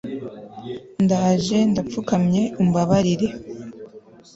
ndaje ndapfukamye umbabarire